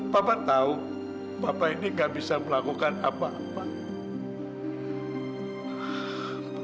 papa tahu bapak ini gak bisa melakukan apa apa